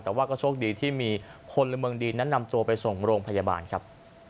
แต่ว่าก็โชคดีที่มีคนละเมืองดีนั้นนำตัวไปส่งโรงพยาบาลครับ